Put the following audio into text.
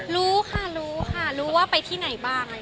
รู้ค่ะรู้ค่ะรู้ว่าไปที่ไหนบ้าง